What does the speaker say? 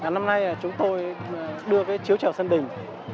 năm nay chúng tôi đưa với chiếu trẻo sân đình